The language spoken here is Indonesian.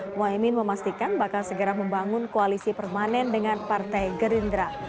muhaymin memastikan bakal segera membangun koalisi permanen dengan partai gerindra